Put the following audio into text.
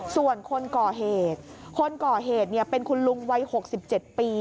ส่วนคนก่อเหตุคนก่อเหตุเป็นคุณลุงวัย๖๗ปี